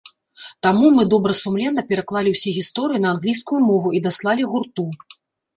Таму мы добрасумленна пераклалі ўсе гісторыі на англійскую мову і даслалі гурту.